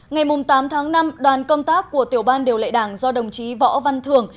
ngày tám tháng năm đoàn công tác của tiểu ban điều lệ đảng do đồng chí võ văn thường